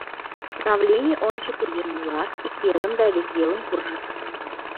Правлений ончыко еҥ-влак ик велым да вес велым куржыт.